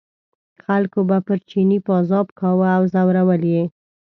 خلکو به پر چیني پازاب کاوه او ځورول یې.